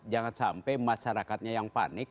jangan sampai masyarakatnya yang panik